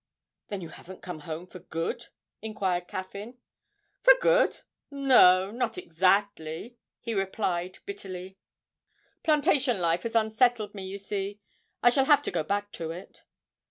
'Then you haven't come home for good?' inquired Caffyn. 'For good? no not exactly,' he replied bitterly; 'plantation life has unsettled me, you see. I shall have to go back to it.'